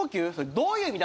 どういう意味だ